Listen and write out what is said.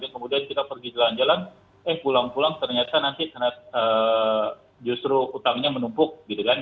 kemudian kita pergi jalan jalan eh pulang pulang ternyata nanti justru utangnya menumpuk gitu kan